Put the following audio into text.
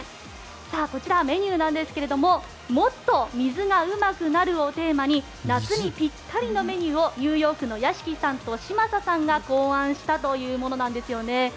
こちら、メニューなんですがもっと水がうまくなるをテーマに夏にぴったりのメニューをニューヨークの屋敷さんと嶋佐さんが考案したというものなんです。